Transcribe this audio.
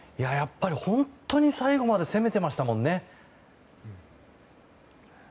本当に最後まで攻めてましたもんね。